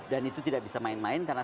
dan itu tidak bisa main main karena